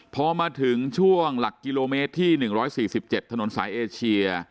พอมาถึงช่วงหลักกิโลเมตรที่หนึ่งร้อยสี่สิบเจ็ดถนนสายเอเชีย